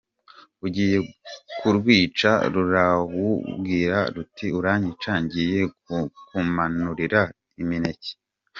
Ugiye kurwica, rurawubwira ruti “Uranyica ngiye kukumanurira imineke?”